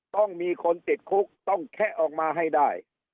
ต้องมีคนติดคุกต้องแคะออกมาให้ได้